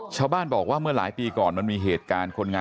ชาวบ้านบอกว่าเมื่อหลายปีก่อนมันมีเหตุการณ์คนงาน